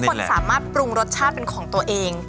คนสามารถปรุงรสชาติเป็นของตัวเอง